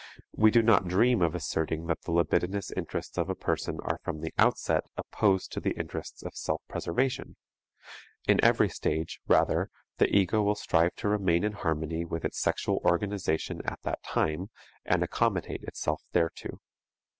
We do not dream of asserting that the libidinous interests of a person are from the outset opposed to the interests of self preservation; in every stage, rather, the ego will strive to remain in harmony with its sexual organization at that time, and accommodate itself thereto.